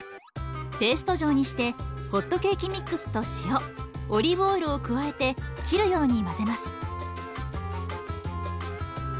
ペースト状にしてホットケーキミックスと塩オリーブオイルを加えて切るように混ぜます。